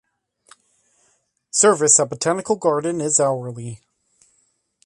Service at Botanical Garden is hourly.